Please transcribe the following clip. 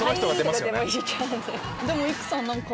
でも育さん何か。